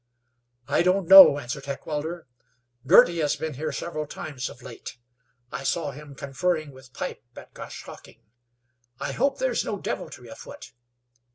"I don't know," answered Heckewelder. "Girty has been here several times of late. I saw him conferring with Pipe at Goshhocking. I hope there's no deviltry afoot.